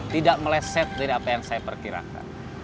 tidak meleset dari apa yang saya perkirakan